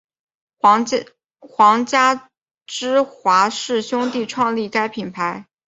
皇家芝华士兄弟创立该品牌。